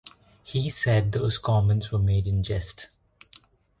He said those comments were made in jest.